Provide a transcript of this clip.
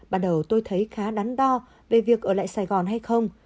bắt đầu tôi thấy khá đắn đo về việc ở lại sài gòn hay không